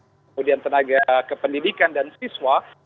kemudian tenaga kependidikan dan siswa